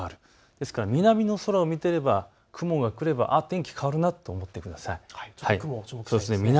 ですから南の空を見ていれば、雲が来れば、天気、変わるなと思ってください。